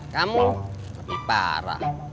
kamu lebih parah